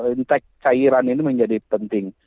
intek cairan ini menjadi penting